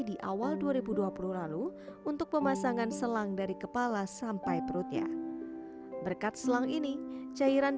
di awal dua ribu dua puluh lalu untuk pemasangan selang dari kepala sampai perutnya berkat selang ini cairan